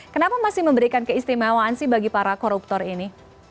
kenapa masih memberikan keistimewaan sih bagi para koruptor ini